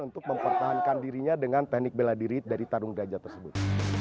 untuk mempertahankan dirinya dengan teknik bela diri dari tarung gajah tersebut